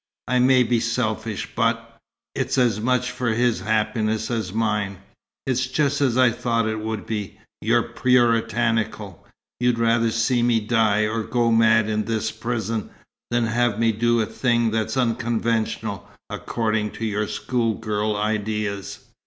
I may be selfish, but it's as much for his happiness as mine. It's just as I thought it would be. You're puritanical. You'd rather see me die, or go mad in this prison, than have me do a thing that's unconventional, according to your schoolgirl ideas."